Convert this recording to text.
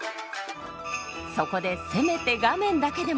そこでせめて画面だけでも。